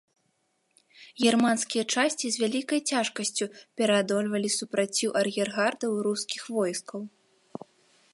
Германскія часці з вялікай цяжкасцю пераадольвалі супраціў ар'ергардаў рускіх войскаў.